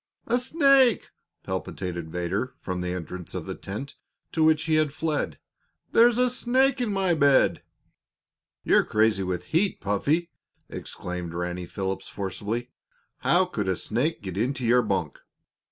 "A snake!" palpitated Vedder, from the entrance of the tent, to which he had fled. "There's a snake in my bed!" "You're crazy with the heat, Puffy!" exclaimed Ranny Phelps, forcibly. "How could a snake get into your bunk?"